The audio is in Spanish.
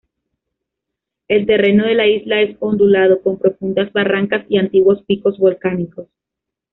El terreno de la isla es ondulado, con profundas barrancas y antiguos picos volcánicos.